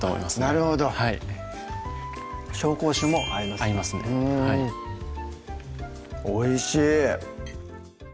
なるほど紹興酒も合いますか合いますねおいしい！